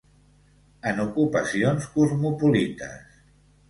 En ocupacions cosmopolites.